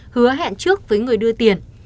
hứa hẹn trước với người đưa tiền